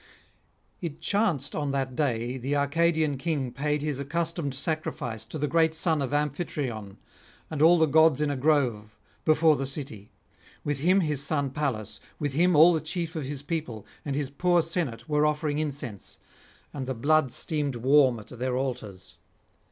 It chanced on that day the Arcadian king paid his accustomed sacrifice to the great son of Amphitryon and all the gods in a grove before the city. With him his son Pallas, with him all the chief of his people and his poor senate were offering incense, and the blood steamed warm at their altars.